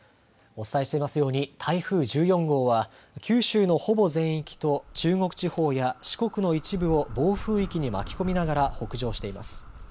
お伝えしていますように台風１４号は九州のほぼ全域と中国地方や四国の一部を暴風域に巻き込みながら北上しています。